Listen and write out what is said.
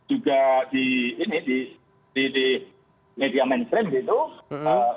dan juga di media mainstream gitu